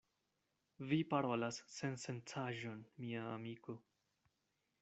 Vi parolas sensencaĵon, mia amiko.